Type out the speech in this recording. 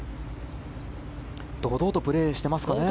堂々とプレーしていますかね。